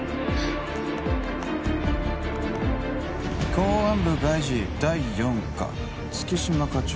公安部外事第四課月島課長